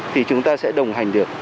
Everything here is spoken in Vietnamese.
thì chúng ta sẽ đồng hành được